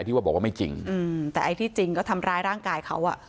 ที่ว่าบอกว่าไม่จริงอืมแต่ไอ้ที่จริงก็ทำร้ายร่างกายเขาอ่ะ